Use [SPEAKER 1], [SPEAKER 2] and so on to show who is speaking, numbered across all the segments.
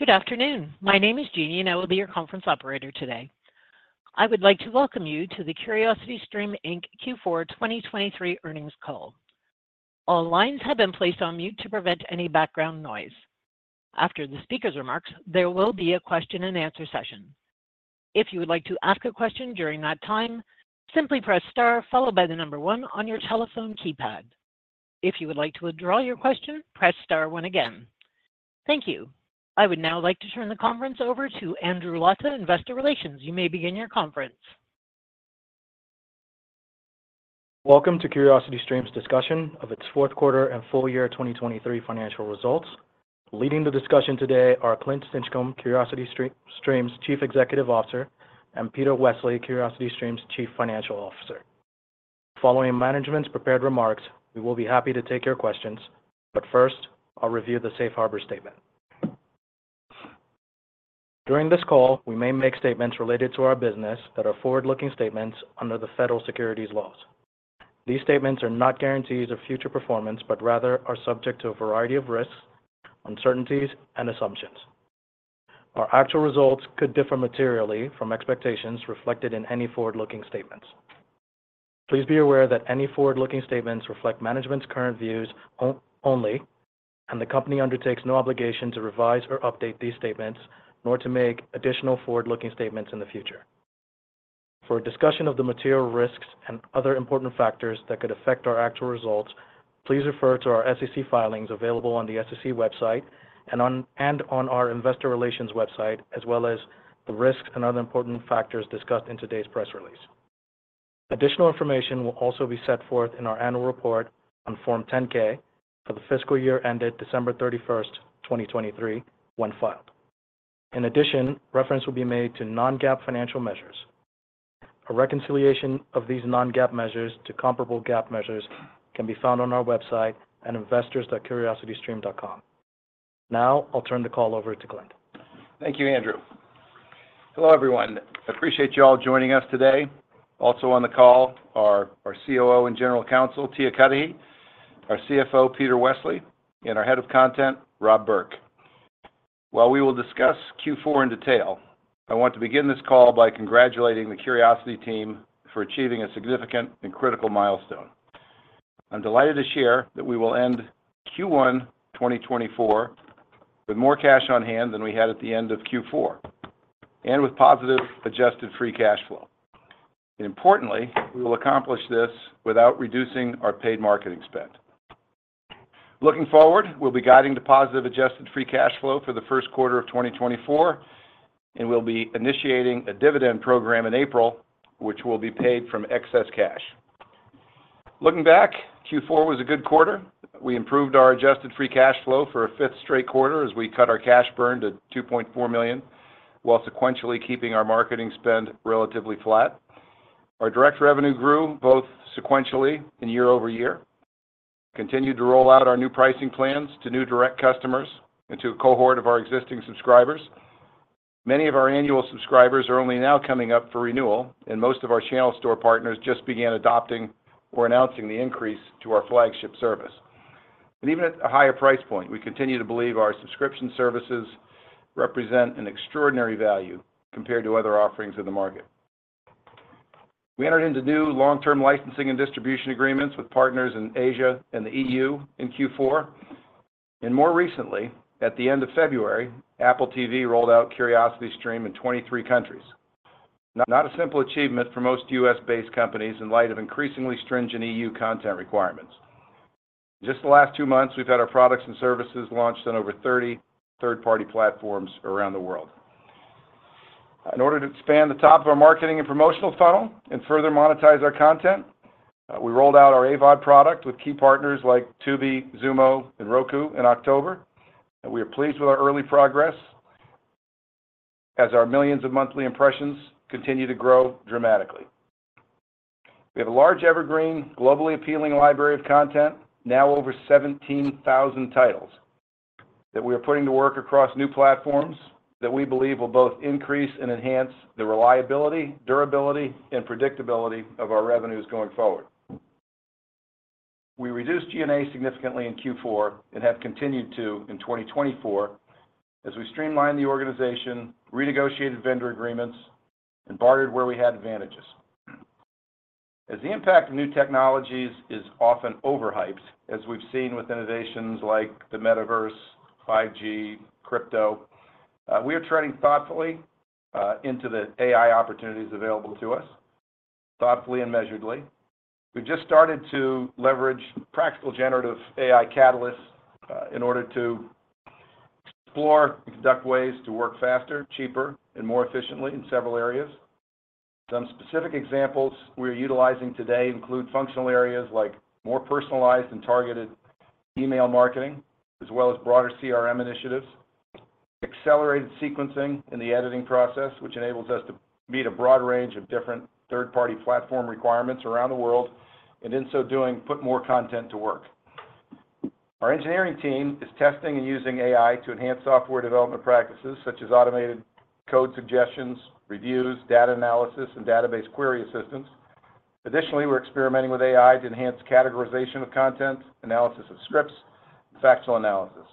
[SPEAKER 1] Good afternoon. My name is Jeannie, and I will be your conference operator today. I would like to welcome you to the CuriosityStream Inc. Q4 2023 Earnings Call. All lines have been placed on mute to prevent any background noise. After the speaker's remarks, there will be a question-and-answer session. If you would like to ask a question during that time, simply press star followed by the number one on your telephone keypad. If you would like to withdraw your question, press star 1 again. Thank you. I would now like to turn the conference over to Andrew Lata, Investor Relations. You may begin your conference.
[SPEAKER 2] Welcome to CuriosityStream's discussion of its fourth quarter and full year 2023 financial results. Leading the discussion today are Clint Stinchcomb, CuriosityStream's Chief Executive Officer, and Peter Westley, CuriosityStream's Chief Financial Officer. Following management's prepared remarks, we will be happy to take your questions, but first I'll review the Safe Harbor Statement. During this call, we may make statements related to our business that are forward-looking statements under the federal securities laws. These statements are not guarantees of future performance but rather are subject to a variety of risks, uncertainties, and assumptions. Our actual results could differ materially from expectations reflected in any forward-looking statements. Please be aware that any forward-looking statements reflect management's current views only, and the company undertakes no obligation to revise or update these statements nor to make additional forward-looking statements in the future. For a discussion of the material risks and other important factors that could affect our actual results, please refer to our SEC filings available on the SEC website and on our Investor Relations website as well as the risks and other important factors discussed in today's press release. Additional information will also be set forth in our annual report on Form 10-K for the fiscal year ended December 31st, 2023, when filed. In addition, reference will be made to non-GAAP financial measures. A reconciliation of these non-GAAP measures to comparable GAAP measures can be found on our website at investors.curiositystream.com. Now I'll turn the call over to Clint.
[SPEAKER 3] Thank you, Andrew. Hello everyone. Appreciate y'all joining us today. Also on the call are our COO and General Counsel, Tia Cudahy, our CFO, Peter Westley, and our Head of Content, Rob Burke. While we will discuss Q4 in detail, I want to begin this call by congratulating the Curiosity team for achieving a significant and critical milestone. I'm delighted to share that we will end Q1 2024 with more cash on hand than we had at the end of Q4 and with positive adjusted free cash flow. And importantly, we will accomplish this without reducing our paid marketing spend. Looking forward, we'll be guiding to positive adjusted free cash flow for the first quarter of 2024, and we'll be initiating a dividend program in April which will be paid from excess cash. Looking back, Q4 was a good quarter. We improved our adjusted free cash flow for a fifth straight quarter as we cut our cash burn to $2.4 million while sequentially keeping our marketing spend relatively flat. Our direct revenue grew both sequentially and year-over-year. We continued to roll out our new pricing plans to new direct customers and to a cohort of our existing subscribers. Many of our annual subscribers are only now coming up for renewal, and most of our channel store partners just began adopting or announcing the increase to our flagship service. And even at a higher price point, we continue to believe our subscription services represent an extraordinary value compared to other offerings in the market. We entered into new long-term licensing and distribution agreements with partners in Asia and the EU in Q4. And more recently, at the end of February, Apple TV rolled out CuriosityStream in 23 countries. Not a simple achievement for most U.S.-based companies in light of increasingly stringent EU content requirements. In just the last two months, we've had our products and services launched on over 30 third-party platforms around the world. In order to expand the top of our marketing and promotional funnel and further monetize our content, we rolled out our AVOD product with key partners like Tubi, Xumo, and Roku in October. We are pleased with our early progress as our millions of monthly impressions continue to grow dramatically. We have a large evergreen, globally appealing library of content, now over 17,000 titles, that we are putting to work across new platforms that we believe will both increase and enhance the reliability, durability, and predictability of our revenues going forward. We reduced G&A significantly in Q4 and have continued to in 2024 as we streamlined the organization, renegotiated vendor agreements, and bartered where we had advantages. As the impact of new technologies is often overhyped, as we've seen with innovations like the metaverse, 5G, crypto, we are treading thoughtfully into the AI opportunities available to us, thoughtfully and measuredly. We've just started to leverage practical generative AI catalysts in order to explore and conduct ways to work faster, cheaper, and more efficiently in several areas. Some specific examples we are utilizing today include functional areas like more personalized and targeted email marketing as well as broader CRM initiatives, accelerated sequencing in the editing process which enables us to meet a broad range of different third-party platform requirements around the world, and in so doing, put more content to work. Our engineering team is testing and using AI to enhance software development practices such as automated code suggestions, reviews, data analysis, and database query assistance. Additionally, we're experimenting with AI to enhance categorization of content, analysis of scripts, and factual analysis.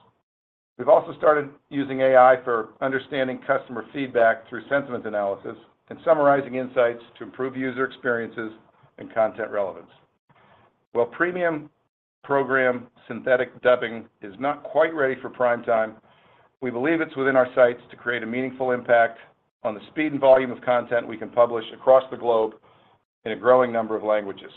[SPEAKER 3] We've also started using AI for understanding customer feedback through sentiment analysis and summarizing insights to improve user experiences and content relevance. While premium program synthetic dubbing is not quite ready for prime time, we believe it's within our sights to create a meaningful impact on the speed and volume of content we can publish across the globe in a growing number of languages.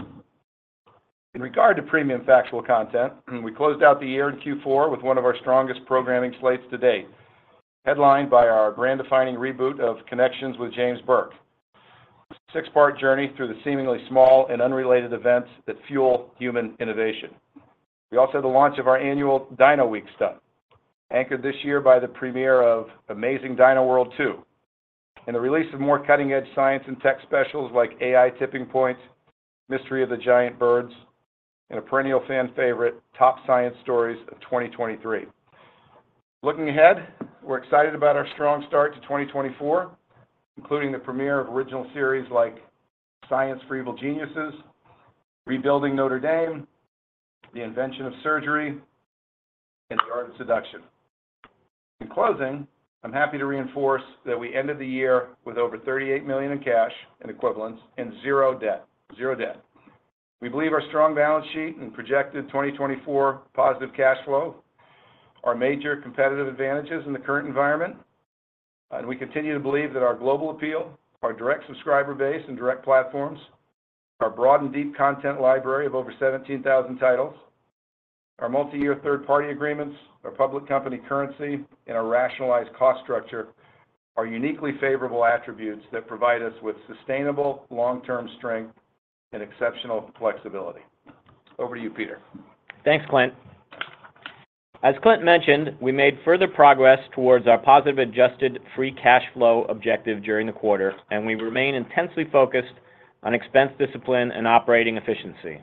[SPEAKER 3] In regard to premium factual content, we closed out the year in Q4 with one of our strongest programming slates to date, headlined by our brand-defining reboot of Connections with James Burke, a six-part journey through the seemingly small and unrelated events that fuel human innovation. We also had the launch of our annual Dino Week stunt, anchored this year by the premiere of Amazing Dino World 2, and the release of more cutting-edge science and tech specials like AI Tipping Points, Mystery of the Giant Birds, and a perennial fan favorite, Top Science Stories of 2023. Looking ahead, we're excited about our strong start to 2024, including the premiere of original series like Science for Evil Geniuses, Rebuilding Notre Dame, The Invention of Surgery, and The Art of Seduction. In closing, I'm happy to reinforce that we ended the year with over $38 million in cash and equivalents and zero debt. We believe our strong balance sheet and projected 2024 positive cash flow are major competitive advantages in the current environment. We continue to believe that our global appeal, our direct subscriber base and direct platforms, our broad and deep content library of over 17,000 titles, our multi-year third-party agreements, our public company currency, and our rationalized cost structure are uniquely favorable attributes that provide us with sustainable long-term strength and exceptional flexibility. Over to you, Peter.
[SPEAKER 4] Thanks, Clint. As Clint mentioned, we made further progress towards our positive adjusted free cash flow objective during the quarter, and we remain intensely focused on expense discipline and operating efficiency.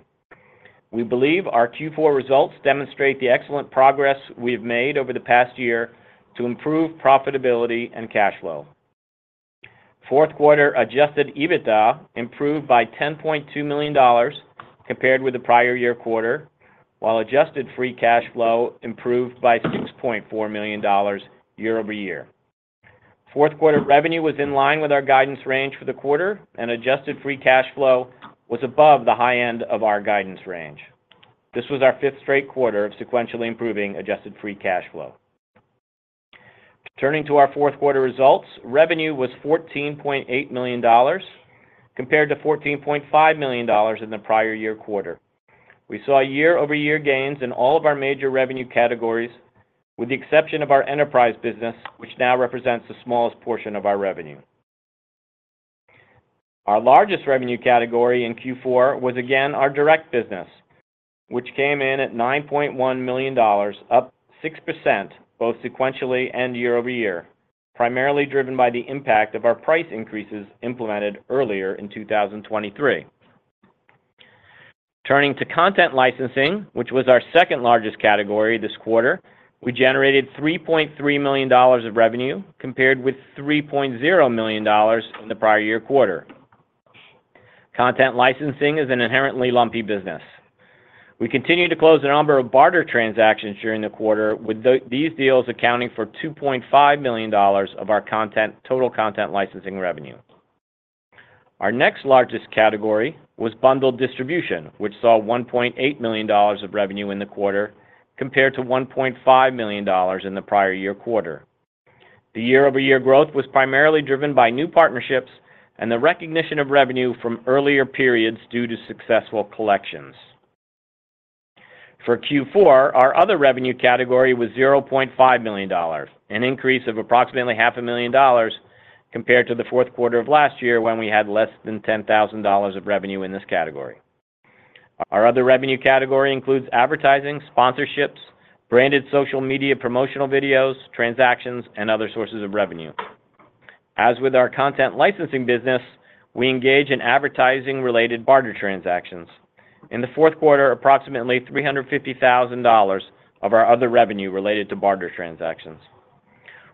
[SPEAKER 4] We believe our Q4 results demonstrate the excellent progress we've made over the past year to improve profitability and cash flow. Fourth quarter adjusted EBITDA improved by $10.2 million compared with the prior year quarter, while adjusted free cash flow improved by $6.4 million year-over-year. Fourth quarter revenue was in line with our guidance range for the quarter, and adjusted free cash flow was above the high end of our guidance range. This was our fifth straight quarter of sequentially improving adjusted free cash flow. Turning to our fourth quarter results, revenue was $14.8 million compared to $14.5 million in the prior year quarter. We saw year-over-year gains in all of our major revenue categories, with the exception of our enterprise business, which now represents the smallest portion of our revenue. Our largest revenue category in Q4 was, again, our direct business, which came in at $9.1 million, up 6% both sequentially and year-over-year, primarily driven by the impact of our price increases implemented earlier in 2023. Turning to content licensing, which was our second largest category this quarter, we generated $3.3 million of revenue compared with $3.0 million in the prior year quarter. Content licensing is an inherently lumpy business. We continue to close a number of barter transactions during the quarter, with these deals accounting for $2.5 million of our total content licensing revenue. Our next largest category was bundled distribution, which saw $1.8 million of revenue in the quarter compared to $1.5 million in the prior year quarter. The year-over-year growth was primarily driven by new partnerships and the recognition of revenue from earlier periods due to successful collections. For Q4, our other revenue category was $0.5 million, an increase of approximately $500,000 compared to the fourth quarter of last year when we had less than $10,000 of revenue in this category. Our other revenue category includes advertising, sponsorships, branded social media promotional videos, transactions, and other sources of revenue. As with our content licensing business, we engage in advertising-related barter transactions. In the fourth quarter, approximately $350,000 of our other revenue related to barter transactions.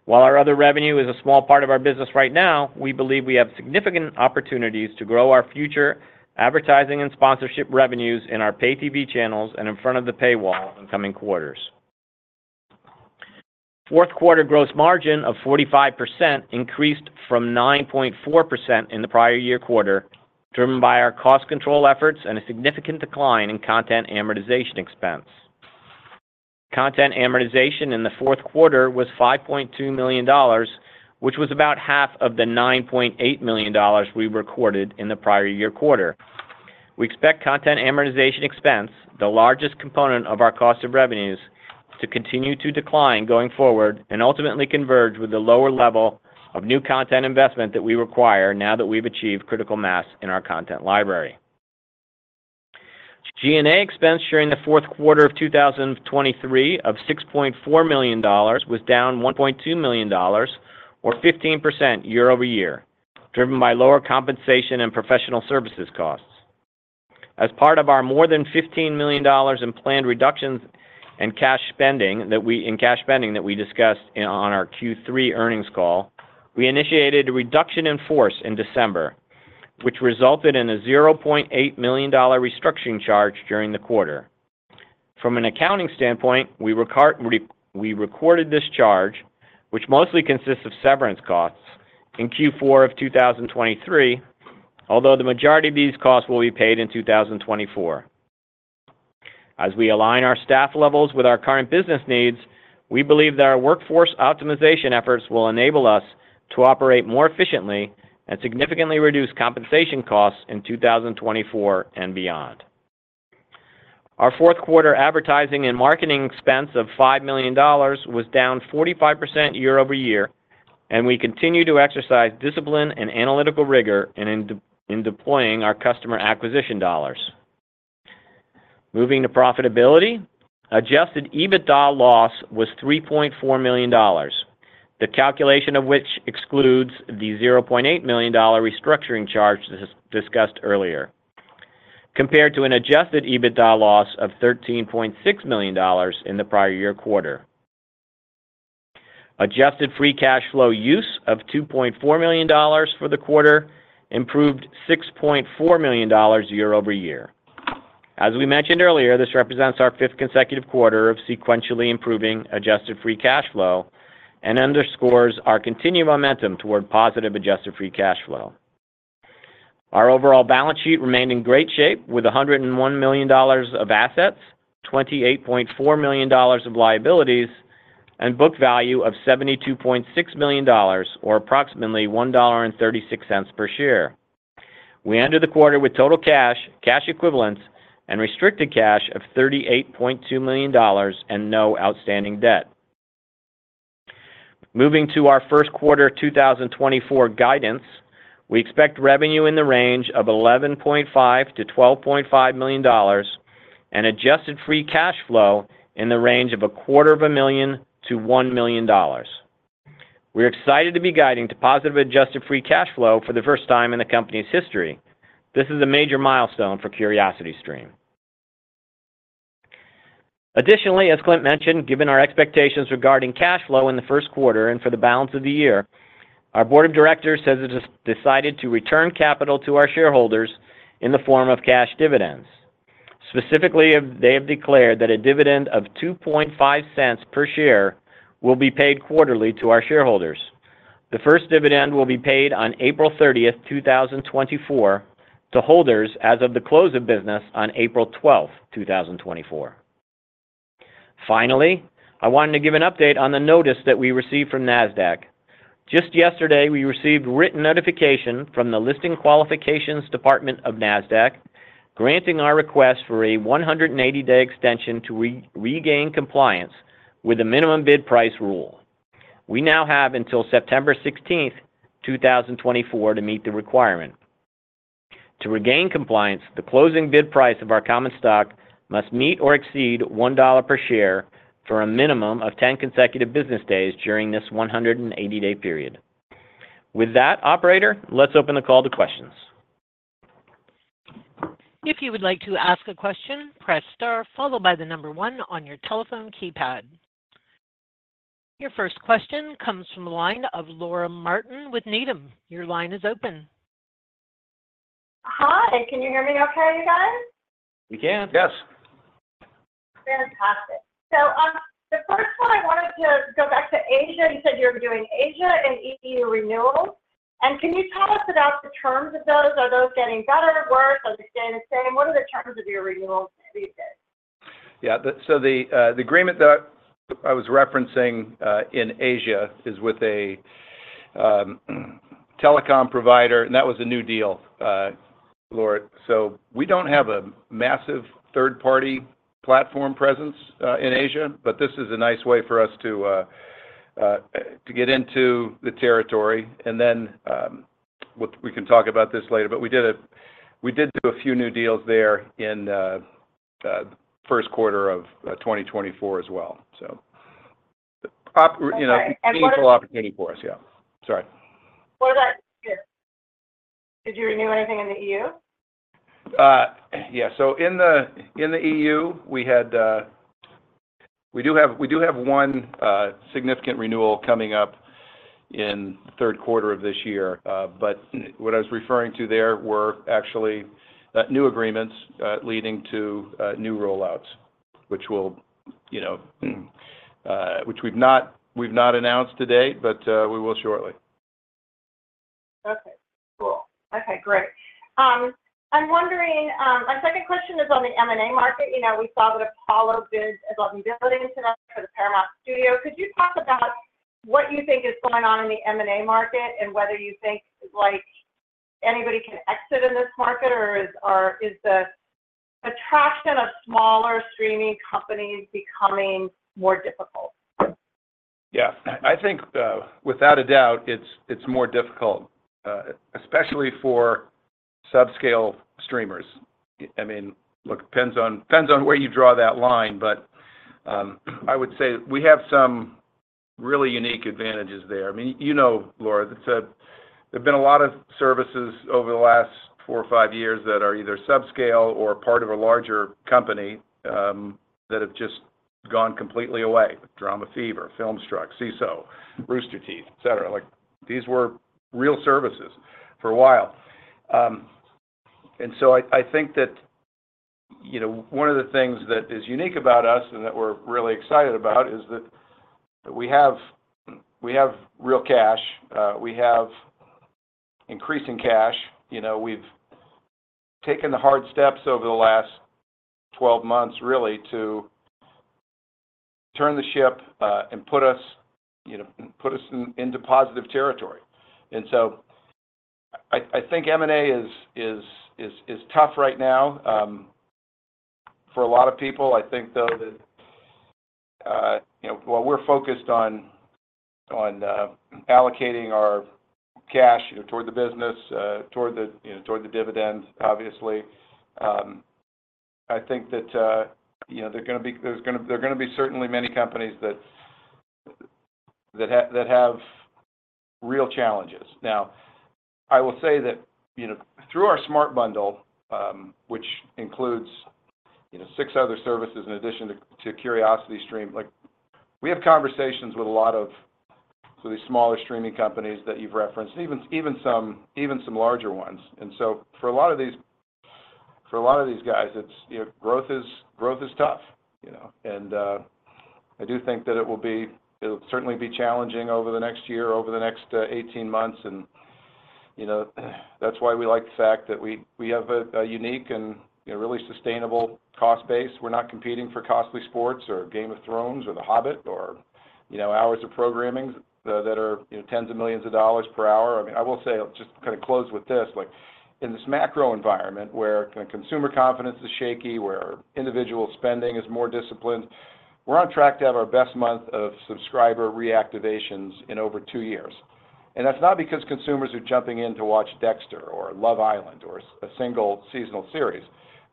[SPEAKER 4] While our other revenue is a small part of our business right now, we believe we have significant opportunities to grow our future advertising and sponsorship revenues in our pay TV channels and in front of the paywall in coming quarters. Fourth quarter gross margin of 45% increased from 9.4% in the prior year quarter, driven by our cost control efforts and a significant decline in content amortization expense. Content amortization in the fourth quarter was $5.2 million, which was about half of the $9.8 million we recorded in the prior year quarter. We expect content amortization expense, the largest component of our cost of revenues, to continue to decline going forward and ultimately converge with the lower level of new content investment that we require now that we've achieved critical mass in our content library. G&A expense during the fourth quarter of 2023 of $6.4 million was down $1.2 million, or 15% year-over-year, driven by lower compensation and professional services costs. As part of our more than $15 million in planned reductions in cash spending that we discussed on our Q3 earnings call, we initiated a reduction in force in December, which resulted in a $0.8 million restructuring charge during the quarter. From an accounting standpoint, we recorded this charge, which mostly consists of severance costs, in Q4 of 2023, although the majority of these costs will be paid in 2024. As we align our staff levels with our current business needs, we believe that our workforce optimization efforts will enable us to operate more efficiently and significantly reduce compensation costs in 2024 and beyond. Our fourth quarter advertising and marketing expense of $5 million was down 45% year-over-year, and we continue to exercise discipline and analytical rigor in deploying our customer acquisition dollars. Moving to profitability, Adjusted EBITDA loss was $3.4 million, the calculation of which excludes the $0.8 million restructuring charge discussed earlier, compared to an Adjusted EBITDA loss of $13.6 million in the prior year quarter. Adjusted free cash flow use of $2.4 million for the quarter improved $6.4 million year-over-year. As we mentioned earlier, this represents our fifth consecutive quarter of sequentially improving adjusted free cash flow and underscores our continued momentum toward positive adjusted free cash flow. Our overall balance sheet remained in great shape, with $101 million of assets, $28.4 million of liabilities, and book value of $72.6 million, or approximately $1.36 per share. We ended the quarter with total cash, cash equivalents, and restricted cash of $38.2 million and no outstanding debt. Moving to our first quarter 2024 guidance, we expect revenue in the range of $11.5 million-$12.5 million and adjusted free cash flow in the range of $250,000-$1 million. We're excited to be guiding to positive adjusted free cash flow for the first time in the company's history. This is a major milestone for CuriosityStream. Additionally, as Clint mentioned, given our expectations regarding cash flow in the first quarter and for the balance of the year, our board of directors has decided to return capital to our shareholders in the form of cash dividends. Specifically, they have declared that a dividend of $0.025 per share will be paid quarterly to our shareholders. The first dividend will be paid on April 30th, 2024, to holders as of the close of business on April 12th, 2024. Finally, I wanted to give an update on the notice that we received from NASDAQ. Just yesterday, we received written notification from the Listing Qualifications Department of NASDAQ granting our request for a 180-day extension to regain compliance with the minimum bid price rule. We now have until September 16th, 2024, to meet the requirement. To regain compliance, the closing bid price of our common stock must meet or exceed $1 per share for a minimum of 10 consecutive business days during this 180-day period. With that, operator, let's open the call to questions.
[SPEAKER 1] If you would like to ask a question, press star followed by one on your telephone keypad. Your first question comes from the line of Laura Martin with Needham. Your line is open.
[SPEAKER 5] Hi. Can you hear me okay, you guys?
[SPEAKER 4] We can.
[SPEAKER 3] Yes.
[SPEAKER 5] Fantastic. So the first one, I wanted to go back to Asia. You said you were doing Asia and EU renewals. And can you tell us about the terms of those? Are those getting better, worse, are they staying the same? What are the terms of your renewals these days?
[SPEAKER 3] Yeah. So the agreement that I was referencing in Asia is with a telecom provider, and that was a new deal, Laura. So we don't have a massive third-party platform presence in Asia, but this is a nice way for us to get into the territory. And then we can talk about this later, but we did do a few new deals there in the first quarter of 2024 as well. So meaningful opportunity for us. Yeah. Sorry.
[SPEAKER 5] What about EU? Did you renew anything in the EU?
[SPEAKER 3] Yeah. So in the EU, we do have one significant renewal coming up in the third quarter of this year. But what I was referring to there were actually new agreements leading to new rollouts, which we've not announced today, but we will shortly.
[SPEAKER 5] I'm wondering my second question is on the M&A market. We saw that Apollo bid $11 billion today for the Paramount Global. Could you talk about what you think is going on in the M&A market and whether you think anybody can exit in this market, or is the attraction of smaller streaming companies becoming more difficult?
[SPEAKER 3] Yeah. I think, without a doubt, it's more difficult, especially for subscale streamers. I mean, look, it depends on where you draw that line, but I would say we have some really unique advantages there. I mean, you know, Laura, there've been a lot of services over the last four or five years that are either subscale or part of a larger company that have just gone completely away: DramaFever, FilmStruck, Seeso, Rooster Teeth, etc. These were real services for a while. And so I think that one of the things that is unique about us and that we're really excited about is that we have real cash. We have increasing cash. We've taken the hard steps over the last 12 months, really, to turn the ship and put us into positive territory. And so I think M&A is tough right now for a lot of people. I think, though, that while we're focused on allocating our cash toward the business, toward the dividend, obviously, I think that there's going to be certainly many companies that have real challenges. Now, I will say that through our Smart Bundle, which includes six other services in addition to CuriosityStream, we have conversations with a lot of these smaller streaming companies that you've referenced, even some larger ones. And so for a lot of these for a lot of these guys, growth is tough. And I do think that it will certainly be challenging over the next year, over the next 18 months. And that's why we like the fact that we have a unique and really sustainable cost base. We're not competing for costly sports or Game of Thrones or The Hobbit or hours of programming that are 10 of millions of dollars per hour. I mean, I will say, just to kind of close with this, in this macro environment where consumer confidence is shaky, where individual spending is more disciplined, we're on track to have our best month of subscriber reactivations in over two years. That's not because consumers are jumping in to watch Dexter or Love Island or a single seasonal series.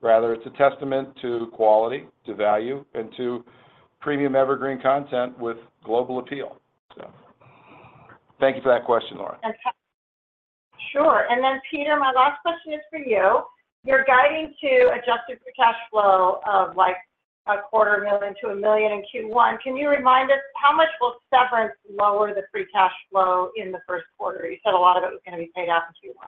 [SPEAKER 3] Rather, it's a testament to quality, to value, and to premium evergreen content with global appeal. Thank you for that question, Laura.
[SPEAKER 5] Sure. And then, Peter, my last question is for you. You're guiding to Adjusted Free Cash Flow of $250,000-$2 million in Q1. Can you remind us how much will severance lower the free cash flow in the first quarter? You said a lot of it was going to be paid out in Q1.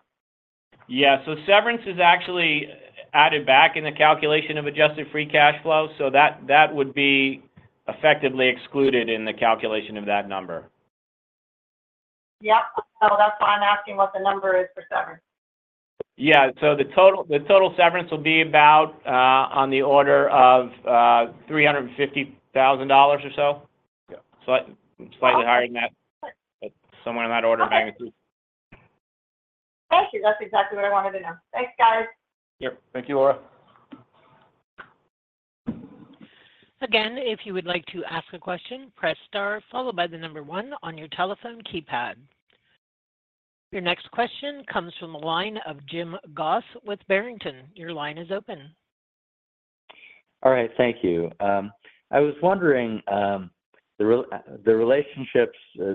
[SPEAKER 4] Yeah. So severance is actually added back in the calculation of Adjusted Free Cash Flow, so that would be effectively excluded in the calculation of that number.
[SPEAKER 5] Yep. So that's why I'm asking what the number is for severance?
[SPEAKER 4] Yeah. So the total severance will be about on the order of $350,000 or so, slightly higher than that, but somewhere in that order of magnitude.
[SPEAKER 5] Thank you. That's exactly what I wanted to know. Thanks, guys.
[SPEAKER 3] Yep. Thank you, Laura.
[SPEAKER 1] Again, if you would like to ask a question, press star followed by the number one on your telephone keypad. Your next question comes from the line of Jim Goss with Barrington. Your line is open.
[SPEAKER 6] All right. Thank you. I was wondering, the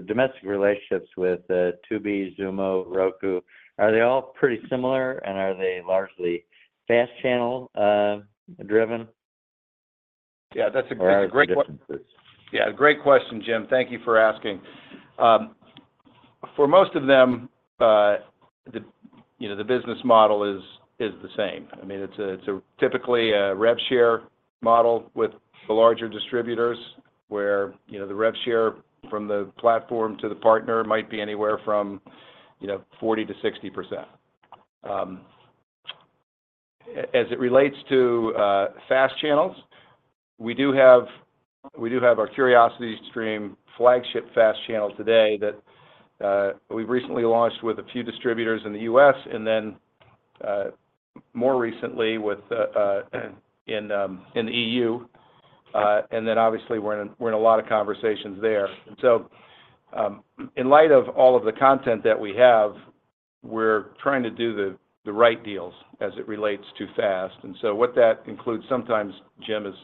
[SPEAKER 6] domestic relationships with Tubi, Xumo, Roku, are they all pretty similar, and are they largely FAST-channel driven?
[SPEAKER 3] Yeah. That's a great question.
[SPEAKER 6] Are there any differences?
[SPEAKER 3] Yeah. Great question, Jim. Thank you for asking. For most of them, the business model is the same. I mean, it's typically a rev share model with the larger distributors, where the rev share from the platform to the partner might be anywhere from 40%-60%. As it relates to FAST channels, we do have our CuriosityStream flagship FAST channel today that we've recently launched with a few distributors in the U.S. and then more recently in the E.U. And then, obviously, we're in a lot of conversations there. And so in light of all of the content that we have, we're trying to do the right deals as it relates to FAST. And so what that includes sometimes, Jim, is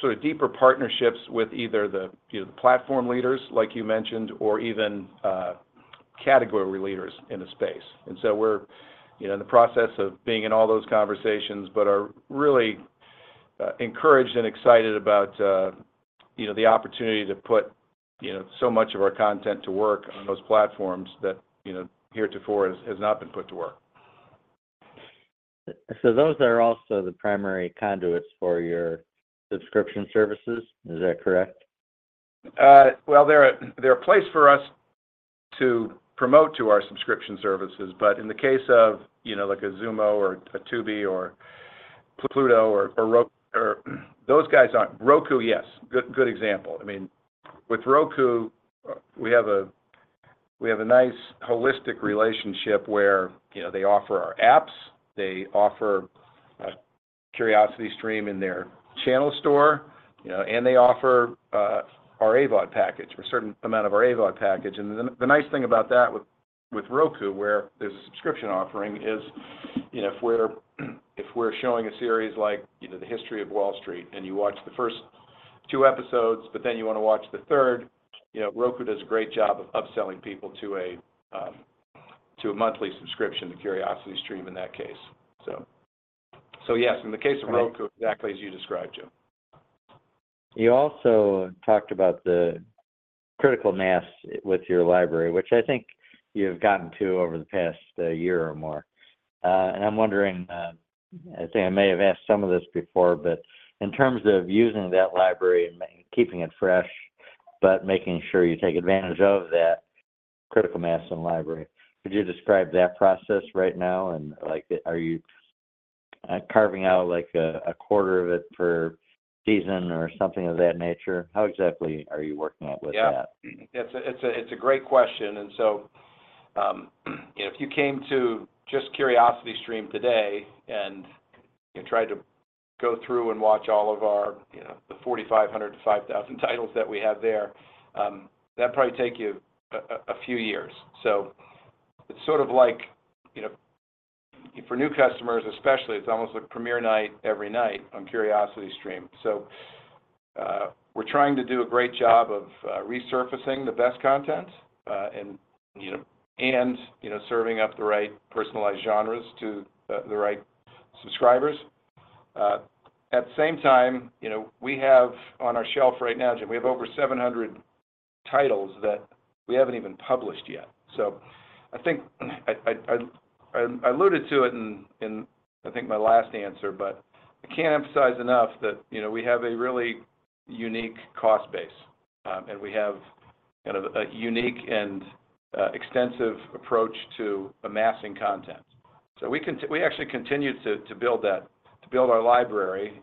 [SPEAKER 3] sort of deeper partnerships with either the platform leaders, like you mentioned, or even category leaders in the space. And so we're in the process of being in all those conversations but are really encouraged and excited about the opportunity to put so much of our content to work on those platforms that heretofore has not been put to work.
[SPEAKER 6] So those are also the primary conduits for your subscription services. Is that correct?
[SPEAKER 3] Well, they're a place for us to promote to our subscription services. But in the case of a Xumo or a Tubi or Pluto or Roku, those guys aren't Roku, yes. Good example. I mean, with Roku, we have a nice holistic relationship where they offer our apps. They offer CuriosityStream in their channel store, and they offer our AVOD package, a certain amount of our AVOD package. And the nice thing about that with Roku, where there's a subscription offering, is if we're showing a series like The History of Wall Street and you watch the first two episodes, but then you want to watch the third, Roku does a great job of upselling people to a monthly subscription to CuriosityStream in that case. So yes, in the case of Roku, exactly as you described, Jim.
[SPEAKER 6] You also talked about the critical mass with your library, which I think you've gotten to over the past year or more. I'm wondering, I think I may have asked some of this before, but in terms of using that library and keeping it fresh but making sure you take advantage of that critical mass in library, could you describe that process right now? Are you carving out a quarter of it per season or something of that nature? How exactly are you working out with that?
[SPEAKER 3] Yeah. It's a great question. So if you came to just CuriosityStream today and tried to go through and watch all of the 4,500-5,000 titles that we have there, that'd probably take you a few years. So it's sort of like for new customers, especially, it's almost like premiere night every night on CuriosityStream. So we're trying to do a great job of resurfacing the best content and serving up the right personalized genres to the right subscribers. At the same time, we have on our shelf right now, Jim, we have over 700 titles that we haven't even published yet. So I think I alluded to it in, I think, my last answer, but I can't emphasize enough that we have a really unique cost base, and we have kind of a unique and extensive approach to amassing content. We actually continue to build our library.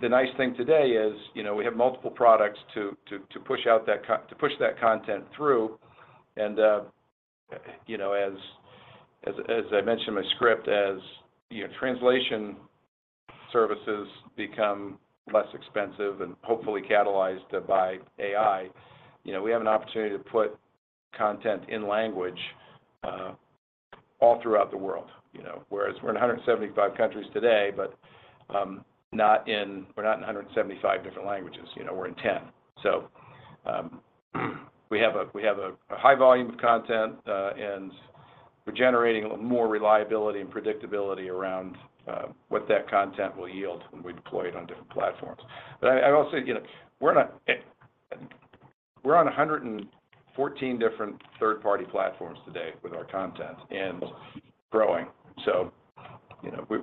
[SPEAKER 3] The nice thing today is we have multiple products to push that content through. As I mentioned in my script, as translation services become less expensive and hopefully catalyzed by AI, we have an opportunity to put content in language all throughout the world. Whereas we're in 175 countries today, but we're not in 175 different languages. We're in 10. We have a high volume of content, and we're generating more reliability and predictability around what that content will yield when we deploy it on different platforms. I will say we're on 114 different third-party platforms today with our content and growing.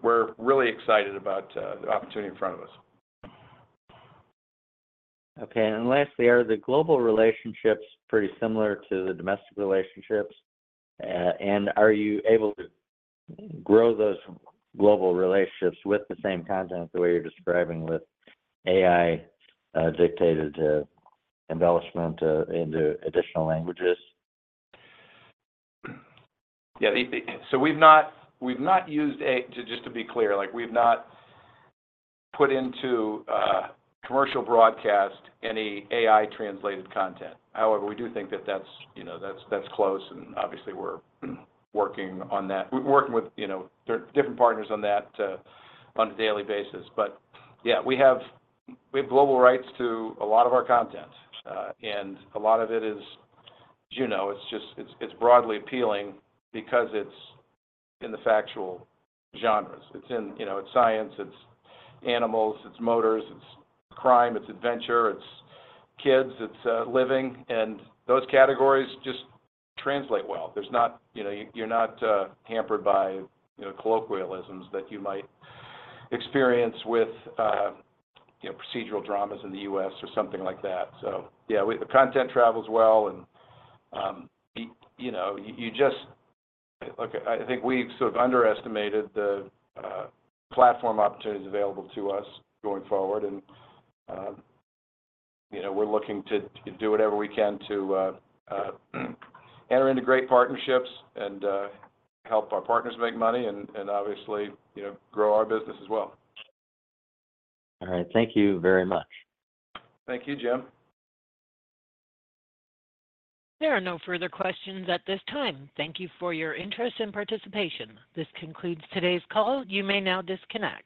[SPEAKER 3] We're really excited about the opportunity in front of us.
[SPEAKER 6] Okay. And lastly, are the global relationships pretty similar to the domestic relationships? And are you able to grow those global relationships with the same content the way you're describing with AI-dictated embellishment into additional languages?
[SPEAKER 3] Yeah. So we've not used it just to be clear, we've not put into commercial broadcast any AI-translated content. However, we do think that that's close, and obviously, we're working on that. We're working with different partners on that on a daily basis. But yeah, we have global rights to a lot of our content. And a lot of it is, as you know, it's broadly appealing because it's in the factual genres. It's science. It's animals. It's motors. It's crime. It's adventure. It's kids. It's living. And those categories just translate well. You're not hampered by colloquialisms that you might experience with procedural dramas in the U.S. or something like that. So yeah, the content travels well, and you just look, I think we've sort of underestimated the platform opportunities available to us going forward. We're looking to do whatever we can to enter into great partnerships and help our partners make money and, obviously, grow our business as well.
[SPEAKER 6] All right. Thank you very much.
[SPEAKER 3] Thank you, Jim.
[SPEAKER 1] There are no further questions at this time. Thank you for your interest and participation. This concludes today's call. You may now disconnect.